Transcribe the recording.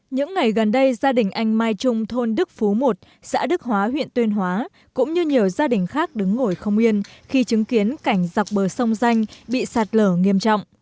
những ngày gần đây gia đình anh mai trung thôn đức phú một xã đức hóa huyện tuyên hóa cũng như nhiều gia đình khác đứng ngồi không yên khi chứng kiến cảnh dọc bờ sông danh bị sạt lở nghiêm trọng